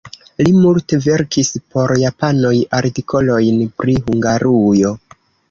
Li multe verkis por japanoj artikolojn pri Hungarujo.